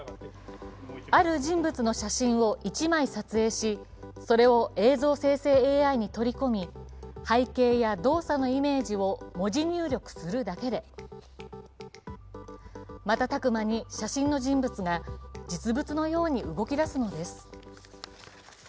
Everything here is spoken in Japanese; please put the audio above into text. ある人物の写真を１枚撮影しそれを映像生成ＡＩに取り込み、背景や動作のイメージを文字入力するだけで瞬く間に、写真の人物が実物のように動き出すのです。